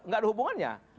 gak ada hubungannya